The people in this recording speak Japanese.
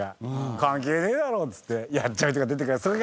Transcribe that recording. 関係ねえだろっつってやっちゃう人が。